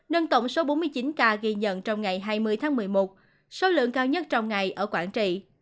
nâng tổng số bốn mươi chín ca ghi nhận trong ngày hai mươi tháng một mươi một số lượng cao nhất trong ngày ở quảng trị